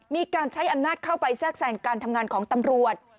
มีการใช้อำนาจเข้าไปแทรกแสงการทำงานของตำรวจ